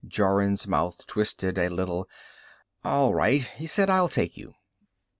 Jorun's mouth twisted a little. "All right," he said; "I'll take you."